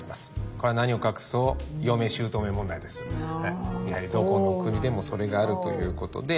これは何を隠そうやはりどこの国でもそれがあるということで。